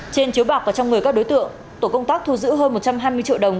trên chiếu bạc và trong người các đối tượng tổ công tác thu giữ hơn một trăm hai mươi triệu đồng